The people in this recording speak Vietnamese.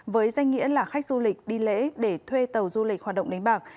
với danh nghĩa là khách du lịch đi lễ để thuê tàu du lịch hoạt động đánh bạc